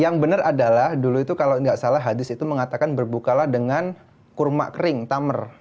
yang bener adalah dulu itu kalau nggak salah hadis itu mengatakan berbuka lah dengan kurma kering tamer